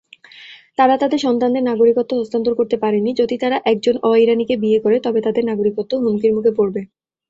তারা তাদের সন্তানদের নাগরিকত্ব হস্তান্তর করতে পারেনি; যদি তারা একজন অ-ইরানিকে বিয়ে করে তবে তাদের নাগরিকত্ব হুমকির মুখে পড়বে।